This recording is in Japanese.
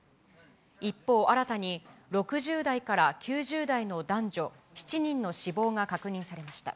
一方、新たに６０代から９０代の男女７人の死亡が確認されました。